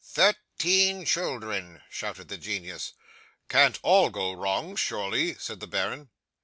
'"Thirteen children," shouted the genius. '"Can't all go wrong, surely," said the baron.